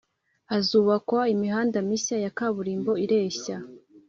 Hazubakwa imihanda mishya ya kaburimbo ireshya